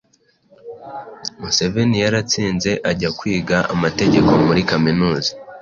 Museveni yaratsinze ajya kwiga Amategeko muri Kaminuza